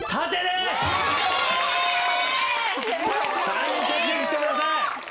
３人着席してください。